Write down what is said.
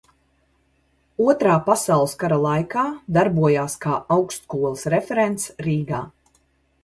Otrā pasaules kara laikā darbojās kā augstskolas referents Rīgā.